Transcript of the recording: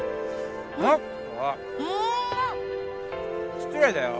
失礼だよ。